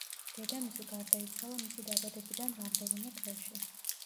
დედამისი გარდაიცვალა მისი დაბადებიდან რამდენიმე დღეში.